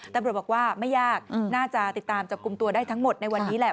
ตำรวจบอกว่าไม่ยากน่าจะติดตามจับกลุ่มตัวได้ทั้งหมดในวันนี้แหละ